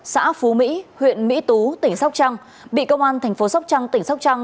xã phú mỹ huyện mỹ tú tỉnh sóc trăng bị công an tp sóc trăng tỉnh sóc trăng